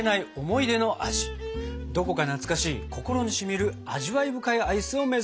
どこか懐かしい心にしみる味わい深いアイスを目指します！